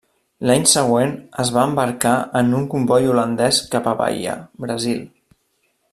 L'any següent es va embarcar en un comboi holandès cap a Bahia, Brasil.